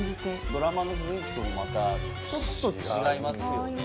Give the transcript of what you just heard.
ドラマの雰囲気ともまたちょっと違いますよね。